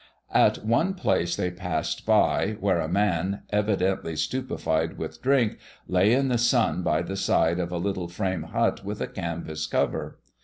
At one place they passed by where a man, evidently stupefied with drink, lay in the sun by the side of a little frame hut with a canvas cover.